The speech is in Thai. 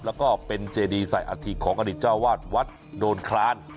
แล้วก็เป็นเจดีใส่อาธิของอดีตเจ้าวาดวัดโดนคลาน